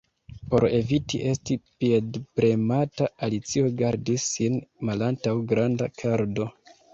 Por eviti esti piedpremata, Alicio gardis sin malantaŭ granda kardo.